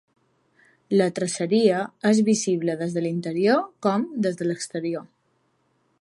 La traceria és visible des de l'interior com des de l'exterior.